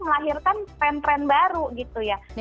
melahirkan tren tren baru gitu ya